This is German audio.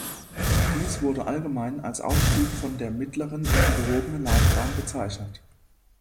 Dies wurde allgemein als Aufstieg von der mittleren- in die gehobene Laufbahn bezeichnet.